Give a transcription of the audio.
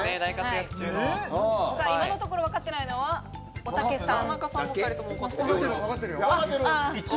今のところ、わかってないのは、おたけさん。